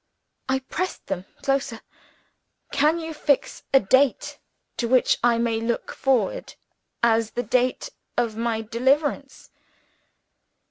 I pressed them closer: 'Can you fix a date to which I may look forward as the date of my deliverance?'